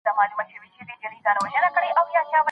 دقيق فکر دي وکړي.